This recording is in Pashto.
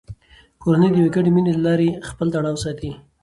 کورنۍ د یوې ګډې مینې له لارې خپل تړاو ساتي